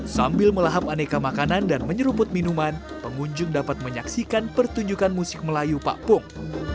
sambil melahap aneka makanan dan menyeruput minuman pengunjung dapat menyaksikan pertunjukan musik melayu pak pung